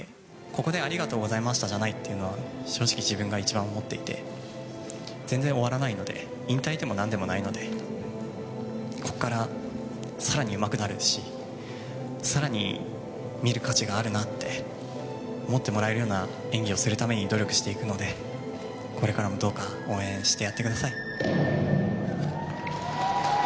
ここでありがとうございましたじゃないっていうのは、正直、自分が一番思っていて、全然終わらないので、引退でもなんでもないので、ここからさらにうまくなるし、さらに見る価値があるなって思ってもらえるような演技をするために努力していくので、これからもどうか応援してやってください。